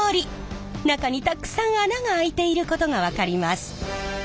中にたくさん穴が開いていることが分かります！